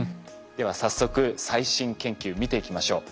では早速最新研究見ていきましょう。